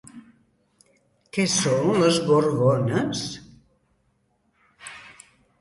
Què són les Gorgones?